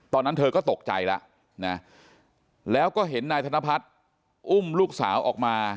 ตอนนั้นเธอก็ตกใจแล้วนะแล้วก็เห็นนายธนพัฒน์อุ้มลูกสาวออกมา